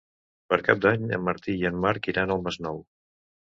Per Cap d'Any en Martí i en Marc iran al Masnou.